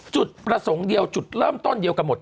จุดประสงค์เดียวจุดเริ่มต้นเดียวกันหมด